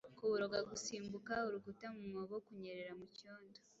Kuboroga, gusimbuka urukuta mu mwobo, Kunyerera mucyondo.